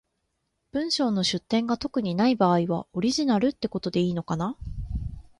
文章の出典が特にない場合は、オリジナルってことでいいのかな？